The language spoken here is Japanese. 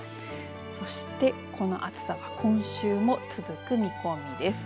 そしてこの暑さは今週も続く見込みです。